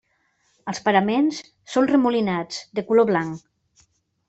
Els paraments són remolinats, de color blanc.